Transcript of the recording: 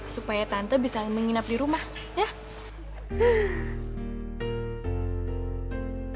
supaya tante bisa menginap di rumah ya